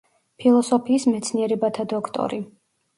ფილოსოფიის მეცნიერებათა დოქტორი.